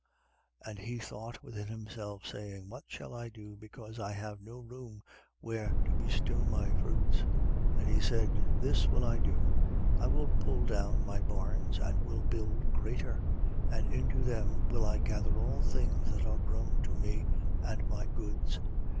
12:17. And he thought within himself, saying: What shall I do, because I have no room where to bestow my fruits? 12:18. And he said: This will I do: I will pull down my barns and will build greater: and into them will I gather all things that are grown to me and my goods.